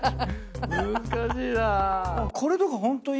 難しいなぁ。